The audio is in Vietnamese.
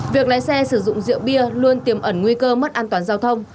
việc lái xe sử dụng rượu bia luôn tiềm ẩn nguy cơ mất an toàn giao thông